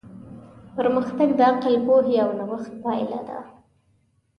پرمختګ د عقل، پوهې او نوښت پایله ده.